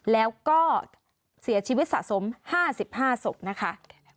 แล้วก็เสียชีวิตสะสม๕๕ศพนะคะ